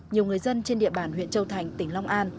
nhiều người dân trên địa bàn huyện châu thành tỉnh long an